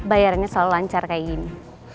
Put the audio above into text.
asal bayarnya selalu lancar kayak gini